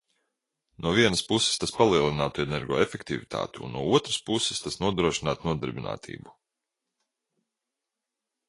No vienas puses tas palielinātu energoefektivitāti un no otras puses tas nodrošinātu nodarbinātību.